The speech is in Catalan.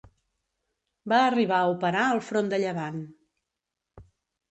Va arribar a operar al front de Llevant.